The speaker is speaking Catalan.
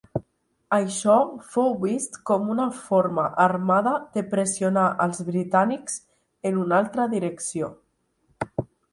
Això fou vist com una forma armada de pressionar als britànics en una altra direcció.